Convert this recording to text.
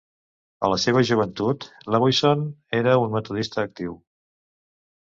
A la seva joventut, Lewisohn era un metodista actiu.